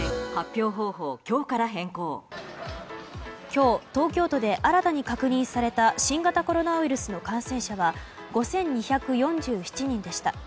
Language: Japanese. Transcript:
今日、東京都で新たに確認された新型コロナウイルスの感染者は５２４７人でした。